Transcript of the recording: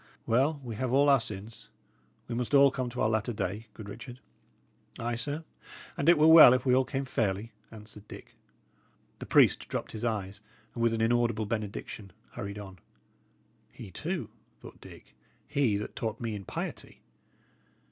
"Well, we have all our sins. We must all come to our latter day, good Richard." "Ay, sir; and it were well if we all came fairly," answered Dick. The priest dropped his eyes, and with an inaudible benediction hurried on. "He, too!" thought Dick "he, that taught me in piety!